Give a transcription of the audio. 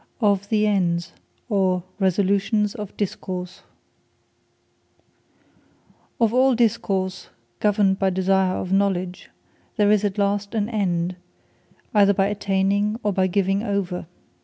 OF THE ENDS OR RESOLUTIONS OF DISCOURSE Of all Discourse, governed by desire of Knowledge, there is at last an End, either by attaining, or by giving over.